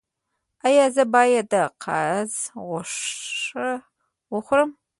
ایا زه باید د قاز غوښه وخورم؟